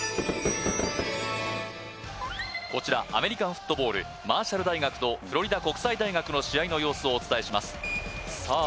こちらアメリカンフットボールマーシャル大学とフロリダ国際大学の試合の様子をお伝えしますさあ